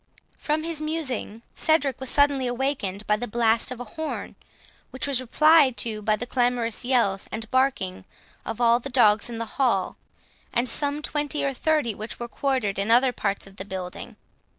From his musing, Cedric was suddenly awakened by the blast of a horn, which was replied to by the clamorous yells and barking of all the dogs in the hall, and some twenty or thirty which were quartered in other parts of the building.